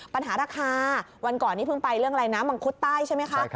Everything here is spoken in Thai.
ปัญหาราคาวันก่อนนี้เพิ่งไปเรื่องอะไรนะมังคุดใต้ใช่ไหมคะ